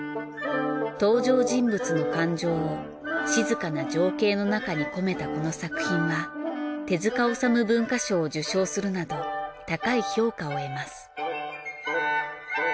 登場人物の感情を静かな情景の中に込めたこの作品は手塚治虫文化賞を受賞するなど高い評価を得ます。